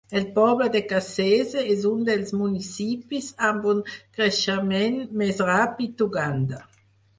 El poble de Kasese és un dels municipis amb un creixement més ràpid d'Uganda.